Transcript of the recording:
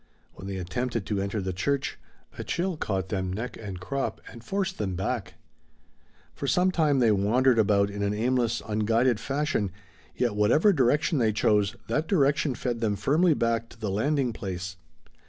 When they attempted to enter the church, a chill caught them neck and crop and forced them back. For some time they wandered about in an aimless, unguided fashion, yet whatever direction they chose that direction fed them firmly back to the landing place.